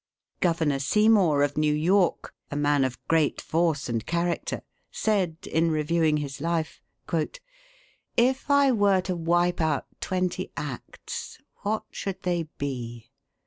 Governor Seymour of New York, a man of great force and character, said, in reviewing his life: "If I were to wipe out twenty acts, what should they be?